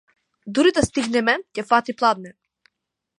Дури да стигнеме ќе фати пладне.